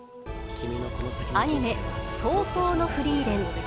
アニメ、葬送のフリーレン。